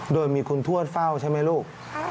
โดยมีคุณทวดเฝ้าใช่ไหมลูก